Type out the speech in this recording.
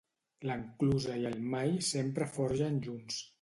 L'enclusa i el mall sempre forgen junts.